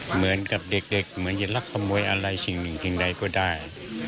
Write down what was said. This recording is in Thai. เหมือนกับเด็กเหมือนจะรักขโมยอะไรสิ่งหนึ่งเพียงใดก็ได้